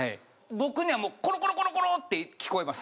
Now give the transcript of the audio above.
僕にはもうコロコロって聞こえます。